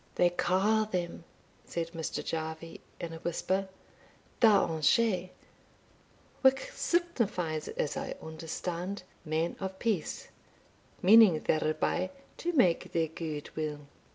"They ca' them," said Mr. Jarvie, in a whisper, "Daoine Schie, whilk signifies, as I understand, men of peace; meaning thereby to make their gudewill.